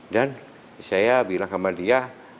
dan saya bilang ke dia